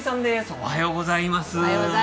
おはようございます。